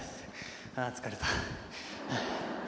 ああ疲れた。